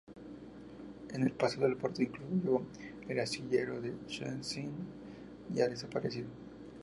En el pasado, el puerto incluyó el astillero de Szczecin ya desaparecido.